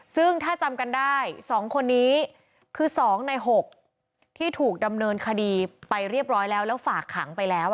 ซึ่งถ้าจำกันได้๒คนนี้คือ๒ใน๖ที่ถูกดำเนินคดีไปเรียบร้อยแล้วแล้วฝากขังไปแล้ว